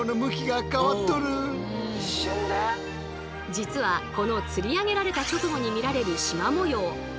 実はこの釣り上げられた直後に見られるシマ模様